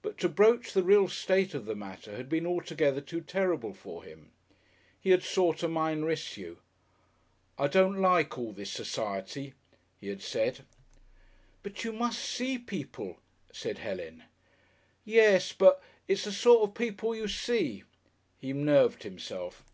But to broach the real state of the matter had been altogether too terrible for him. He had sought a minor issue. "I don't like all this Seciety," he had said. "But you must see people," said Helen. "Yes, but . It's the sort of people you see." He nerved himself.